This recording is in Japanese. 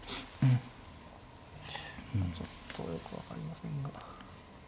ちょっとよく分かりませんが。